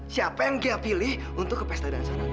siapa yang gek pilih untuk ke pesta dansa nanti